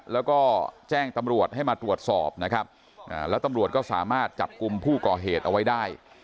แล้วก็แจ้งตำรวจให้มาตรวจสอบนะครับแล้วตำรวจก็สามารถจับกลุ่มผู้ก่อเหตุเอาไว้ได้